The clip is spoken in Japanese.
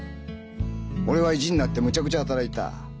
俺は意地になってむちゃくちゃ働いた。